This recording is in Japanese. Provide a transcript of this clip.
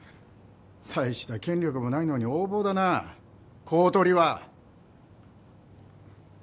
大した権力もないのに横暴だな公取は。